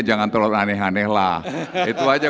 jangan terlalu aneh aneh lah itu aja